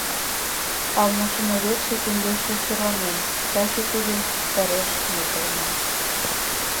А машиноведше теҥгече черланен, таче тудын тареш мый каенам.